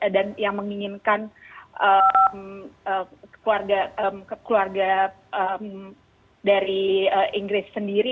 dan yang menginginkan keluarga dari inggris sendiri gitu